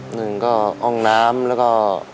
หนึ่งก็ห้องน้ำแล้วก็